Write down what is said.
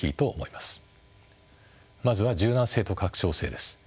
まずは柔軟性と拡張性です。